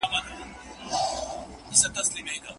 ولي نکاح بايد موقتي حرمت ونلري؟